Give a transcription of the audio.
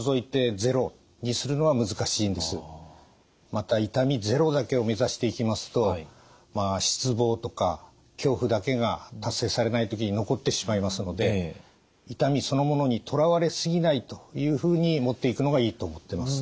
また痛みゼロだけをめざしていきますと失望とか恐怖だけが達成されない時に残ってしまいますので痛みそのものにとらわれ過ぎないというふうにもっていくのがいいと思ってます。